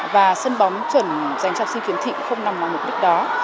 và sân bóng chuẩn dành cho học sinh khiếm thị không nằm vào mục đích đó